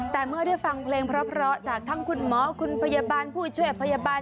แต่เมื่อได้ฟังเพลงเพราะจากทั้งคุณหมอคุณพยาบาลผู้ช่วยพยาบาล